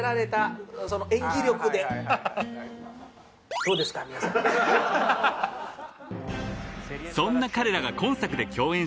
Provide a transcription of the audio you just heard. ［そんな彼らが今作で共演した主演